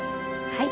はい？